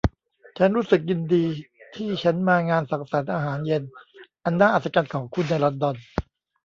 ฉันรู้สึกยินดีที่ฉันมางานสังสรรค์อาหารเย็นอันน่าอัศจรรย์ของคุณในลอนดอน